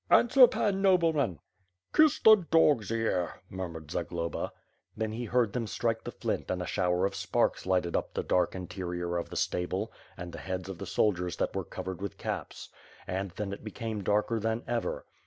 "Answer, Pan Nobleman." "Kiss the dog's ear,'* murmured Zagloba. Then he heard them strike ihe flint and a shower of sparks lighted up the dark interior of the stable and the heads of the soldiers that were covered with caps. And, then it be came darker than ever.